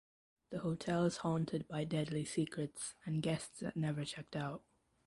The hotel is haunted by deadly secrets and guests that never checked out.